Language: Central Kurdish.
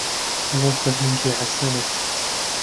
ئەوە فەرهەنگی حەسەنە.